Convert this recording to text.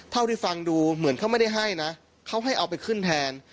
เท่าที่ฟังดูเหมือนเขาไม่ได้ให้นะเขาให้เอาไปขึ้นแทน